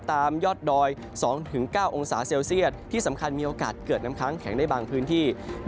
ตามยอดดอย๒๙องศาเซลเซียตที่สำคัญมีโอกาสเกิดน้ำค้างแข็งได้บางพื้นที่